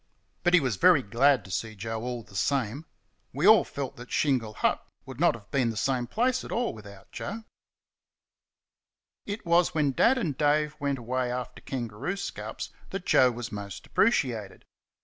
But he was very glad to see Joe all the same; we all felt that Shingle Hut would not have been the same place at all without Joe. It was when Dad and Dave were away after kangaroo scalps that Joe was most appreciated.